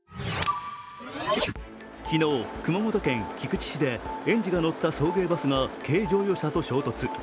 昨日、熊本県菊池市で園児が乗った送迎バスが軽乗用車と衝突。